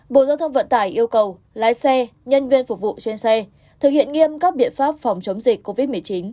bộ giao thông vận tải yêu cầu lái xe nhân viên phục vụ trên xe thực hiện nghiêm các biện pháp phòng chống dịch covid một mươi chín